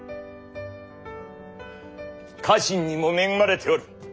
家臣にも恵まれておる。